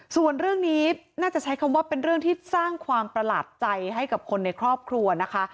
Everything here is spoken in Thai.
ส่วนเรื่องนี้น่าจะใช้คำว่าเป็นเรื่องที่สร้างความประหลาดใจให้กับคนในครอบครัวนะคะ